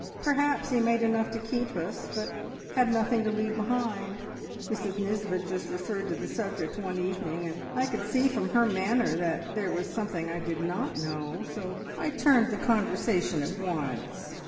Perhaps he made enough to keep us, but had nothing to leave behind. Mrs Nisbet just referred to the subject one evening, and I could see from her manner that there was something I did not know, so I turned the conversation at once.